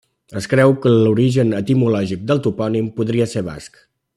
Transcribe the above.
Es creu que l'origen etimològic del topònim podria ser basc.